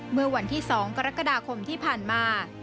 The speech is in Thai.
เมื่อวันที่๒กรกฎาคมที่ผ่านมา